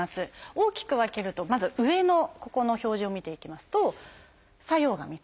大きく分けるとまず上のここの表示を見ていきますと作用が３つ。